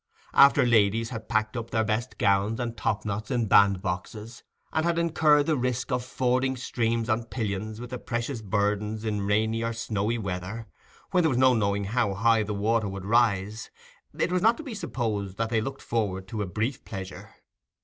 After ladies had packed up their best gowns and top knots in bandboxes, and had incurred the risk of fording streams on pillions with the precious burden in rainy or snowy weather, when there was no knowing how high the water would rise, it was not to be supposed that they looked forward to a brief pleasure.